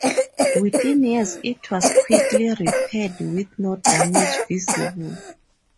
Within years it was quickly repaired with no damage visible.